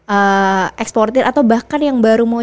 eksportir atau bahkan yang baru mau